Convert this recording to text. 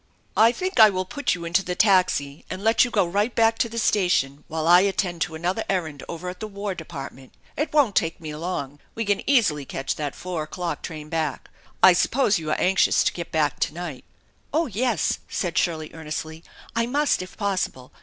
" I think I will put you into the taxi and let you go right back to the station while I attend *o another errand over at the War Department. It won't take me long. We can easily catch that four o'clock train back. I suppose you are anxious to get back to night ?"" Oh, yes," said Shirley earnestly, " I must, if possible.